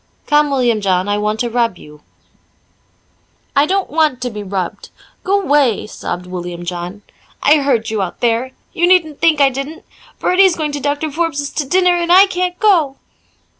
"Come, William John, I want to rub you." "I don't want to be rubbed g'way," sobbed William John. "I heard you out there you needn't think I didn't. Bertie's going to Doctor Forbes's to dinner and I can't go."